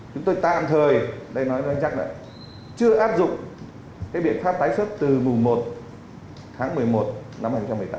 chúng tôi tạm thời đây nói cho anh chắc lại chưa áp dụng cái biện pháp tái xuất từ mùa một tháng một mươi một năm hai nghìn một mươi tám